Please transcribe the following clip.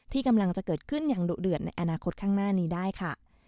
ที่กำลังจะเกิดขึ้นอย่างดุเดือดในอนาคตข้างหน้านี้ได้ค่ะ